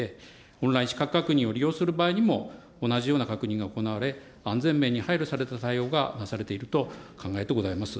オンライン資格確認を利用する場合にも、同じような確認が行われ、安全面に配慮された対応がなされていると考えてございます。